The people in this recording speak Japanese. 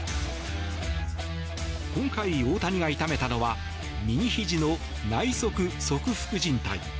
今回、大谷が痛めたのは右ひじの内側側副じん帯。